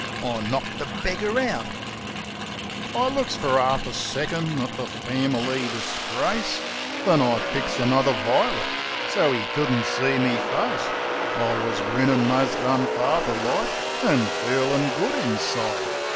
I knocked the beggar out I" 13 Vi'Iits I looks fer 'arf a second at the fambily disgrace, Then I picks another vi'lit so 'e couldn't see me face. I wus grinnin' most unfatherlike, an' feelin' good inside.